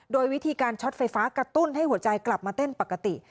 โดยวิธีการช็อตไฟฟ้ากระตุ้นให้หัวใจกลับมาเต้นปกติ